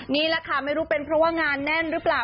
นี่แหละค่ะไม่รู้เป็นเพราะว่างานแน่นหรือเปล่า